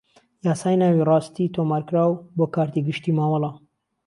یاسای ناوی_ڕاستی تۆمارکراو بۆ کارتی گشتی مامەڵە